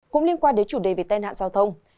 cũng liên quan đến chủ đề về tên hạn giao thông